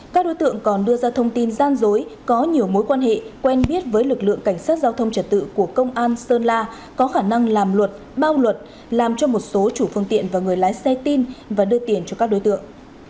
các đối tượng còn đưa ra thông tin gian dối có nhiều mối quan hệ quen biết với lực lượng cảnh sát giao thông trật tự của công an sơn la có khả năng làm luật bao luật làm cho một số chủ phương tiện và người lái xe tin và đưa tiền cho các đối tượng